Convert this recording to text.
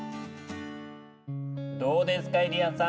どうですかゆりやんさん？